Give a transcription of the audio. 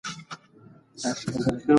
د گوربت بندجوړول